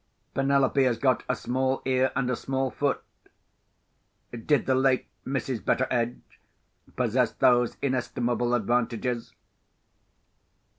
Penelope has got a small ear and a small foot. Did the late Mrs. Betteredge possess those inestimable advantages?"